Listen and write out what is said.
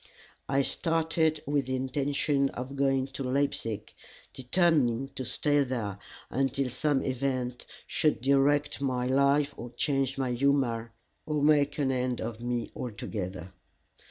I started with the intention of going to Leipzig, determined to stay there until some event should direct my life or change my humor, or make an end of me altogether.